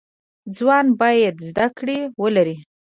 ځوانان باید زده کړی ولری